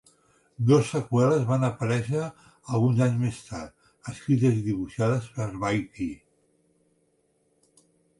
Dos seqüeles van aparèixer alguns anys més tard, escrites i dibuixades per Baikie.